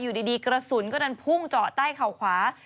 อยู่ดีกระสุนก็ดันพุ่งเจาะใต้เข่าขวา